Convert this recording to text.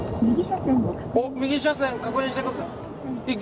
おっ「右車線を確認してください」